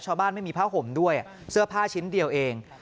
ไม่มีผ้าห่มด้วยเสื้อผ้าชิ้นเดียวเอง